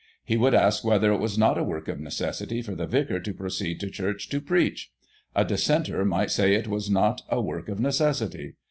He would ask whether it was not a work of neces sity for the vicar to proceed to church to preach. A dissenter might say it was not a work of necessity.